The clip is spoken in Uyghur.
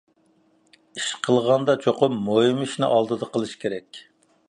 ئىش قىلغاندا چوقۇم مۇھىم ئىشنى ئالدىدا قىلىش كېرەك.